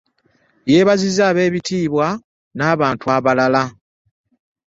Yeebazizza abeebitiibwa n'abantu abalala.